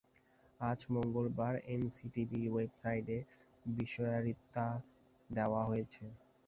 আজ মঙ্গলবার এনসিটিবির ওয়েবসাইটে বিষয়ওয়ারি তা দেওয়া হয়েছে।